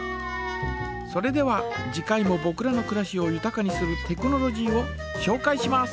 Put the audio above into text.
それでは次回もぼくらのくらしをゆたかにするテクノロジーをしょうかいします。